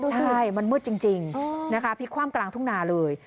ใช่มันมืดจริงพลิกความกลางถุงนาเลย